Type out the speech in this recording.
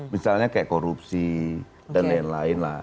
misalnya kayak korupsi dan lain lain lah